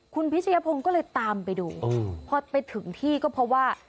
คุณพิชยพงศ์ก็เลยตามไปดูพอไปถึงที่ก็เพราะว่า